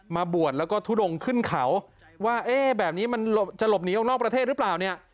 มาบวชแล้วก็ทุดงขึ้นเขาว่าเอ๊ะแบบนี้มันจะหลบหนีออกนอกประเทศหรือเปล่าเนี่ย